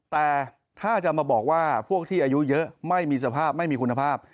แต่ถ้าจะมาบอกว่าพวกที่อายุเยอะไม่มีสภาพไม่มีคุณภาพ